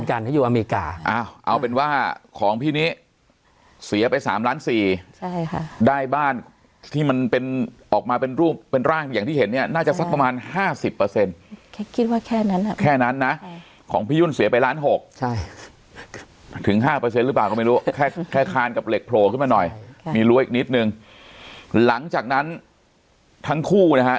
เอาเป็นว่าของพี่นี้เสียไปสามล้านสี่ใช่ค่ะได้บ้านที่มันเป็นออกมาเป็นรูปเป็นร่างอย่างที่เห็นเนี่ยน่าจะสักประมาณห้าสิบเปอร์เซ็นต์แค่คิดว่าแค่นั้นอ่ะแค่นั้นนะของพี่ยุ่นเสียไปล้านหกใช่ถึงห้าเปอร์เซ็นต์หรือเปล่าก็ไม่รู้แค่แค่คานกับเหล็กโผล่ขึ้นมาหน่อยมีรั้วอีกนิดนึงหลังจากนั้นทั้งคู่นะฮะ